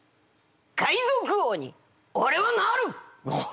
「海賊王におれはなる！」。